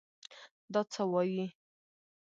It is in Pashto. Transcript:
دا څه وايې.